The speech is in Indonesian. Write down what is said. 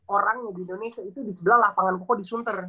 orangnya di indonesia itu di sebelah lapangan kuku di sunter